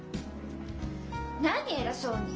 何偉そうに！